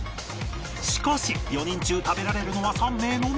しかし４人中食べられるのは３名のみ